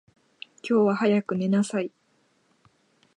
今日は早く寝なさい。